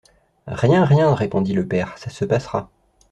Rien, rien, répondit le père, ça se passera.